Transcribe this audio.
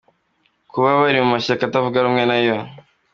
Kuba bari mu mashyaka atavuga rumwe nayo